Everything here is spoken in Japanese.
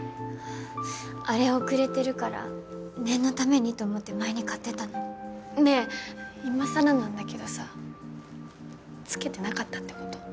アレ遅れてるから念のためにと思って前に買ってたのねえ今さらなんだけどさつけてなかったってこと？